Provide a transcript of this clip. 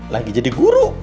lagi jadi guru